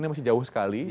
ini masih jauh sekali